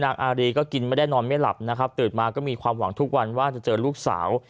อารีก็กินไม่ได้นอนไม่หลับนะครับตื่นมาก็มีความหวังทุกวันว่าจะเจอลูกสาว